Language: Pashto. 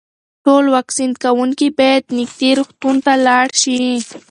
ټول واکسین کوونکي باید نږدې روغتون ته لاړ شي.